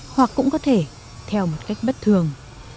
hoặc cũng có thể theo một cách bất thường